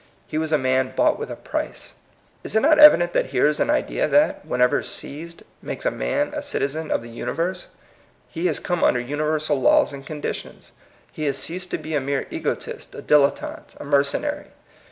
He was a man bought with a price. Is it not evident that here is an idea that, whenever seized, makes a man a citizen of the universe? He has come under universal laws and conditions. He has ceased to be a mere egotist, a dilettante, a mercenary.